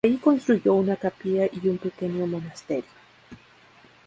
Allí construyó una capilla y un pequeño monasterio.